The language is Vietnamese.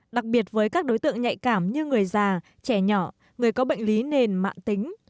đặc biệt với các đối tượng nhạy cảm như người già trẻ nhỏ người có bệnh lý nền mạng tính